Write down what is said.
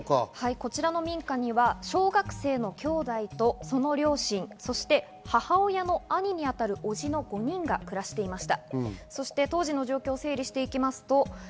こちらの民家には小学生の兄弟とその両親、そして母親の兄に当たる叔父の５人が暮らしていました。